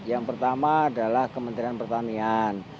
yang pertama adalah kementerian pertanian